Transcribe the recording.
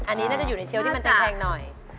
อันนี้น่าจะอยู่ในเชลลที่มันจะแพงหน่อย